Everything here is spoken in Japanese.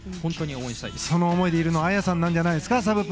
その思いでいるのはサブプールの綾さんなんじゃないですか？